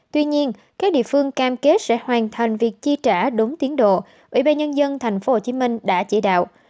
tuy nhiên các địa phương cam kết sẽ hoàn thành việc chi trả đúng tiến độ ủy ban nhân dân tp hcm đã chỉ đạo